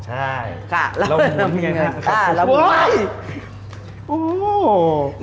เรามุ่นอย่างนั้น